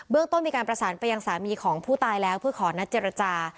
ต้นมีการประสานไปยังสามีของผู้ตายแล้วเพื่อขอนัดเจรจา